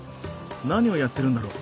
何をやってるんだろう？